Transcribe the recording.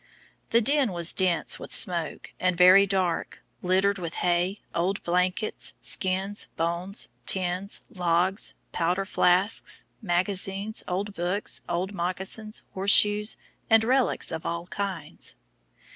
The den was dense with smoke, and very dark, littered with hay, old blankets, skins, bones, tins, logs, powder flasks, magazines, old books, old moccasins, horseshoes, and relics of all kinds.